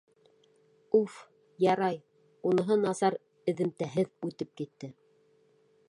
Уф, ярай, уныһы насар эҙемтәһеҙ үтеп китте.